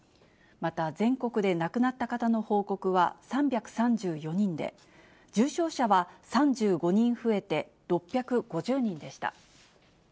また、全国で亡くなった方の報告は３３４人で、重症者は３５人増えて６５０人でした。